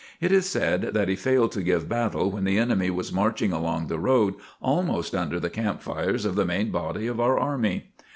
It is said that he failed to give battle when the "enemy was marching along the road almost under the camp fires of the main body of our army."